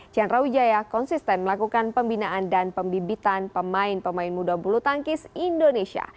chandra wijaya konsisten melakukan pembinaan dan pembibitan pemain pemain muda bulu tangkis indonesia